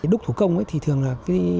đúc thủ công thì thường là